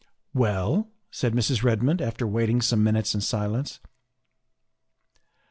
" Well?" said Mrs. Redmond after waiting some minutes in silence.